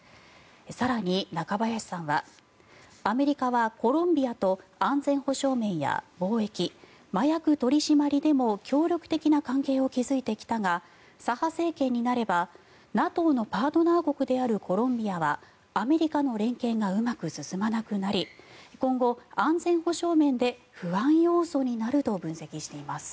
更に中林さんはアメリカはコロンビアと安全保障面や貿易麻薬取り締まりでも協力的な関係を築いてきたが左派政権になればＮＡＴＯのパートナー国であるコロンビアはアメリカの連携がうまく進まなくなり今後、安全保障面で不安要素になると分析しています。